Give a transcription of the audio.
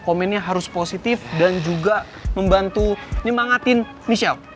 komennya harus positif dan juga membantu nyemangatin michelle